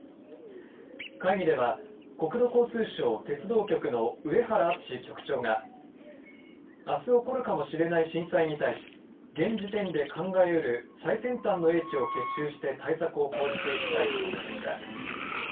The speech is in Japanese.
会議では、国土交通省鉄道局の上原淳局長があす起こるかもしれない震災に対し現時点で考え得る最先端の英知を結集して対策を講じていきたいと述べました。